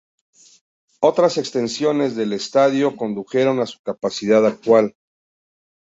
Otras extensiones del estadio condujeron a su capacidad actual.